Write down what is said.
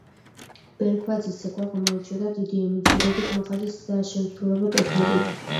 ბრეგვაძის ცეკვა გამოირჩეოდა დიდი ემოციურობით, მაღალი საშემსრულებლო ტექნიკით.